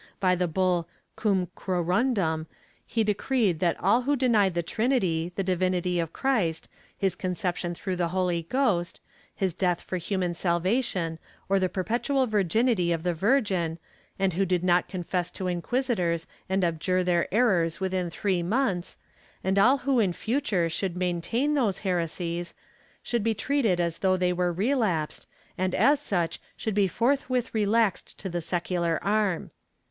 By the bull Cum quorundam he decreed that all who denied the Trinity, the divinity of Christ, his conception through the Holy Ghost, his death for human salvation, or the perpetual virginity of the Virgin, and who did not confess to inquisitors and abjure their errors within three months, and all who in future should maintain those heresies, should be treated as though they were relapsed and as such should be forthwith relaxed to the secular arm.